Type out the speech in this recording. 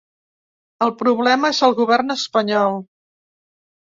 El problema és el govern espanyol.